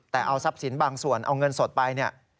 แต่เอาทรัพย์สินบางส่วนเอาเงินสดไปเนี่ย